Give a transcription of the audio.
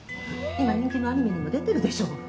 今人気のアニメにも出てるでしょ。